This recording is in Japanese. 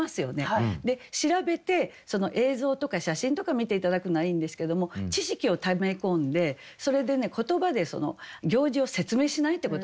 で調べてその映像とか写真とか見て頂くのはいいんですけども知識をため込んでそれでね言葉でその行事を説明しないってことですね。